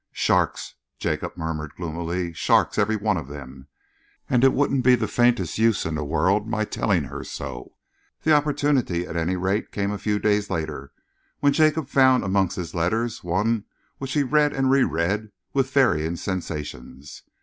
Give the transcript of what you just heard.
"Sharks," Jacob murmured gloomily, "sharks, every one of them, and it wouldn't be the faintest use in the world my telling her so." The opportunity, at any rate, came a few days later, when Jacob found amongst his letters one which he read and reread with varying sensations.